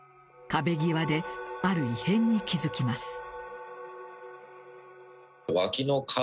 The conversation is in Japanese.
壁際で、ある異変に気付きます。